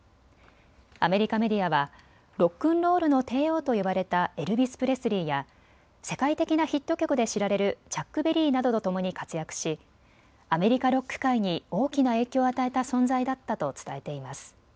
アメリカメディアはロックンロールの帝王と呼ばれたエルビス・プレスリーや世界的なヒット曲で知られるチャック・ベリーなどとともに活躍しアメリカ・ロック界に大きな影響を与えた存在だったと伝えています。